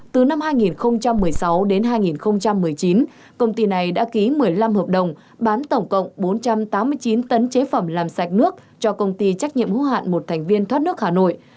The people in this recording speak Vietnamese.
từ năm hai nghìn một mươi sáu đến hai nghìn một mươi chín công ty này đã ký một mươi năm hợp đồng bán tổng cộng bốn trăm tám mươi chín tấn chế phẩm làm sạch nước cho công ty trách nhiệm hữu hạn một thành viên thoát nước hà nội